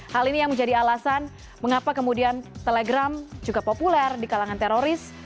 hal ini yang menjadi alasan mengapa kemudian telegram juga populer di kalangan teroris